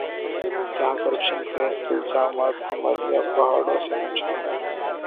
یہاں کرپشن کے الزامات ہمالیہ پہاڑوں سے اونچے ہیں۔